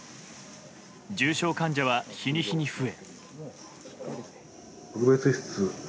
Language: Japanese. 重症患者は日に日に増え。